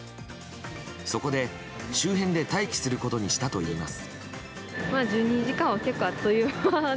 そこで周辺で待機することにしたといいます。